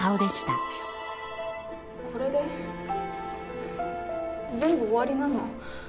これで全部終わりなの？